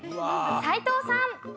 斎藤さん。